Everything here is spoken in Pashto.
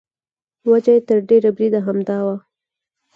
وجه یې تر ډېره بریده همدا وه.